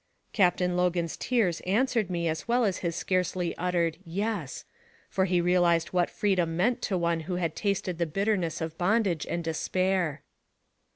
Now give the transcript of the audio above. Cap tain Logan's tears answered me as well as his scarcely uttered "Yes," for he realized what freedom meant to one who had tasted the bitterness of bondage and despair.